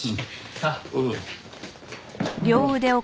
さあ。